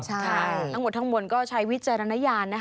ใช่ทั้งหมดทั้งมวลก็ใช้วิจารณญาณนะคะ